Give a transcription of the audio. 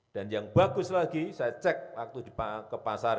dan yang bagus lagi saya cek waktu di pasar